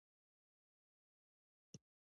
طالبان او اسلامي بنسټپالنه یې پوښلي دي.